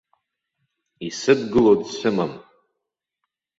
Исыдгыло дсымам!